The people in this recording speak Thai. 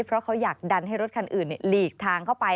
เพราะเขาอยากดันให้รถคันอื่นหลีกทางเข้าไป